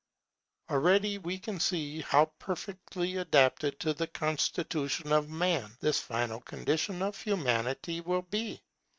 Already we can see how perfectly adapted to the constitution of man this final condition of Humanity will be.